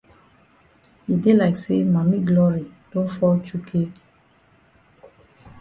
E dey like say Mami Glory don fall chukay.